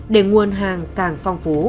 để nguồn hàng càng phong phú